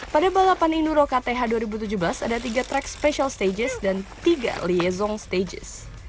pada balapan inuro kth dua ribu tujuh belas ada tiga track special stages dan tiga liezong stages